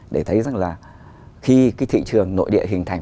để thấy rằng là khi cái thị trường nội địa hình thành